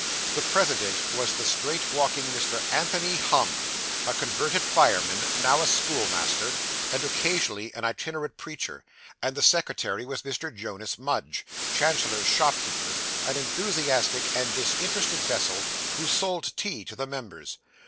The president was the straight walking Mr. Anthony Humm, a converted fireman, now a schoolmaster, and occasionally an itinerant preacher; and the secretary was Mr. Jonas Mudge, chandler's shopkeeper, an enthusiastic and disinterested vessel, who sold tea to the members.